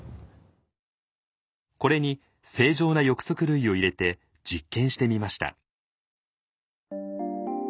これに正常な翼足類を入れて実験してみました。